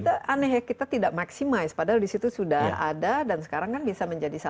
tapi ini kan kita aneh ya kita tidak maksimalisasi padahal di situ sudah ada dan sekarang kan bisa menjualnya